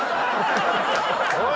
おい！